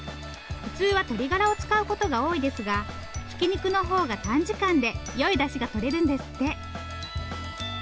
普通は鶏ガラを使うことが多いですがひき肉のほうが短時間でよいだしがとれるんですって。